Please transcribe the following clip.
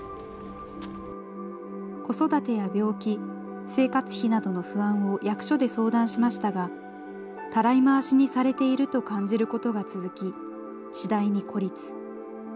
子育てや病気、生活費などの不安を役所で相談しましたが、たらい回しにされていると感じることが続き、次第に孤立。